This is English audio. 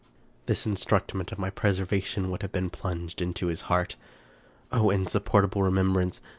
This instru ment of my preservation would have been plunged into his heart. O insupportable remembrance!